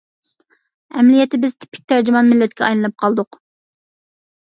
ئەمەلىيەتتە بىز تىپىك تەرجىمان مىللەتكە ئايلىنىپ قالدۇق.